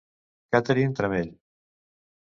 Catherine Tramell